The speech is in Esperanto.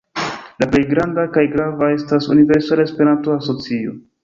La plej granda kaj grava estas Universala Esperanto-Asocio.